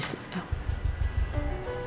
dan sekarang papa udah gak ada